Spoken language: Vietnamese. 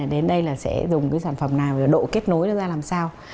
đến đây là sẽ dùng cái sản phẩm nào độ kết nối ra làm sao